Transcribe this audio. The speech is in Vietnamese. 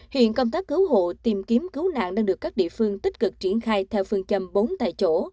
hiện công tác cứu hộ tìm kiếm cứu nạn đang được các địa phương tích cực triển khai theo phương châm bốn tại chỗ